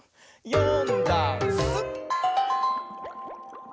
「よんだんす」